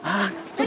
ah tuh dia